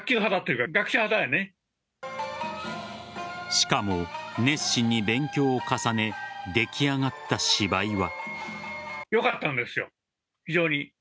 しかも、熱心に勉強を重ね出来上がった芝居は。